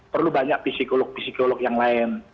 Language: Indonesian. perlu banyak psikolog psikolog yang lain